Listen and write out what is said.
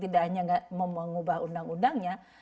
tidak hanya mengubah undang undangnya